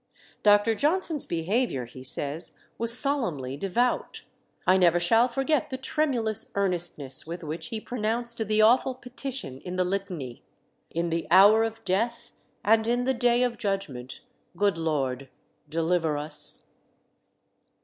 "Dr. Johnson's behaviour," he says, "was solemnly devout. I never shall forget the tremulous earnestness with which he pronounced the awful petition in the Litany, 'In the hour of death and in the day of judgment, good Lord, deliver us.